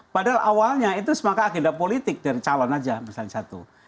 padahal awalnya itu semangat agenda politik dari calon saja misalnya satu